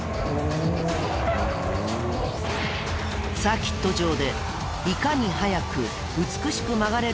サーキット場でいかに速く美しく曲がれるかを競う